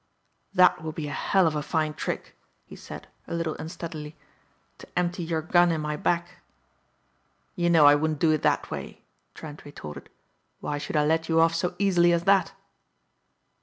"That would be a hell of a fine trick," he said, a little unsteadily, "to empty your gun in my back." "You know I wouldn't do it that way," Trent retorted. "Why should I let you off so easily as that?"